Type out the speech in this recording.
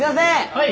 はい！